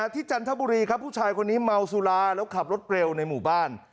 จันทบุรีครับผู้ชายคนนี้เมาสุราแล้วขับรถเร็วในหมู่บ้าน